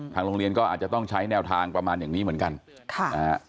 โรงเรียนก็อาจจะต้องใช้แนวทางประมาณอย่างนี้เหมือนกันค่ะนะฮะ